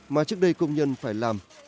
mà trước đây công nhân phải loại